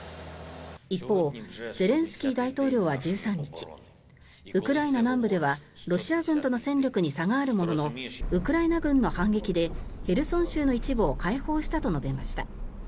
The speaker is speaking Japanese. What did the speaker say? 一方ゼレンスキー大統領は１３日ウクライナ南部ではロシア軍との戦力に差があるもののウクライナ軍の反撃でヘルソン州の一部を解放したと述べました。